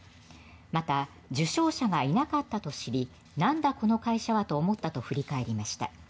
また、受賞者がいなかったと知りなんだ、この会社はと思ったと振り返りました。